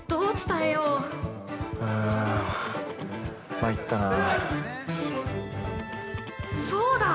◆まいったなあ。